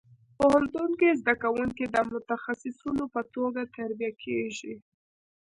پوهنتون کې زده کوونکي د متخصصینو په توګه تربیه کېږي.